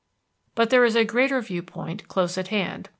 But there is a greater viewpoint close at hand.